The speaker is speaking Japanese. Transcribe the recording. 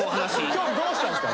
今日どうしたんですか？